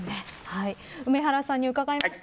梅原さんに伺いました。